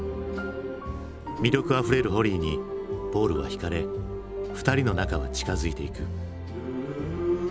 魅力あふれるホリーにポールはひかれ２人の仲は近づいていく。